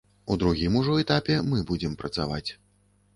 У другім ужо этапе мы будзем працаваць.